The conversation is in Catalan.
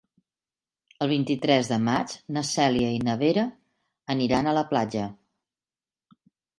El vint-i-tres de maig na Cèlia i na Vera aniran a la platja.